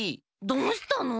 どうしたの？